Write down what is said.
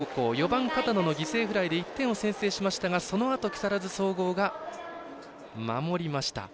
１回の表、市立船橋高校４番、片野の犠牲フライで１点を先制しましたがそのあと、木更津総合が守りました。